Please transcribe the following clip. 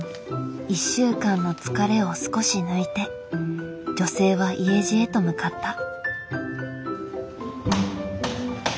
１週間の疲れを少し抜いて女性は家路へと向かった。